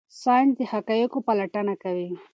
ساینس د حقایقو پلټنه کوي.